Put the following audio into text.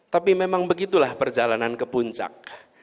tapi memang begitulah perjalanan ke puncak